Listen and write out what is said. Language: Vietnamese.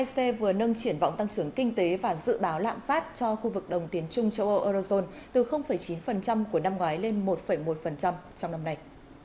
năm châu âu ec vừa nâng triển vọng tăng trưởng kinh tế và dự báo lạm phát cho khu vực đồng tiến chung châu âu eurozone từ chín của năm ngoái lên một một trong năm nay